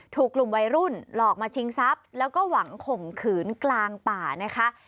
ถูกกลุ่มวัยรุ่นหลอกมาชิงทรัพย์แล้วก็หวังข่มขืนกลางป่านะคะ